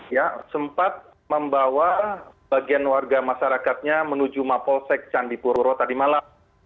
ya sempat membawa bagian warga masyarakatnya menuju mapolsek candipuro tadi malam